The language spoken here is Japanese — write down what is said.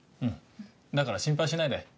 うんだから心配しないで。